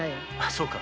そうか。